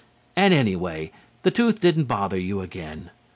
And, anyway, the tooth didn't bother you again.